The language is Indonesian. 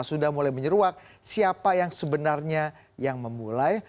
sudah mulai menyeruak siapa yang sebenarnya yang memulai